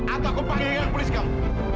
atau aku panggil dengan polisi kamu